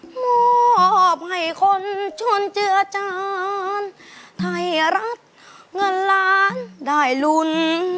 มอบให้คนชวนเจือจานไทยรัฐเงินล้านได้ลุ้น